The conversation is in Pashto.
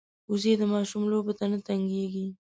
وزې د ماشوم لوبو ته نه تنګېږي